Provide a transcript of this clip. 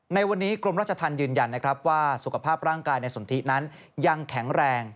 ในวันนี้กรมราชธรรมยืนยันนะครับว่าสุขภาพร่างกายในสนทินั้นยังแข็งแรง